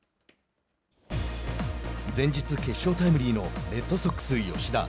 前日、決勝タイムリーのレッドソックス吉田。